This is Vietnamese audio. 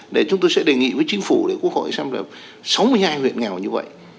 để chúng tôi sẽ đề nghị với chính phủ để quốc hội xem là sáu mươi hai huyện nghèo như vậy